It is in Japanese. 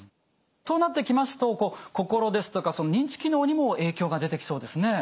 そうなってきますとこう心ですとか認知機能にも影響が出てきそうですね。